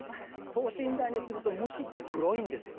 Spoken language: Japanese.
等身大にすると虫ってグロいんですよね。